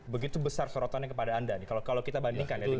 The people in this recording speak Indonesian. begitu besar sorotannya kepada anda nih kalau kita bandingkan ya